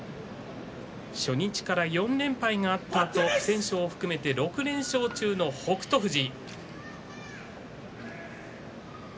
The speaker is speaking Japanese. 初日から４連敗があったあと不戦勝を含めて６連勝中の北勝富士。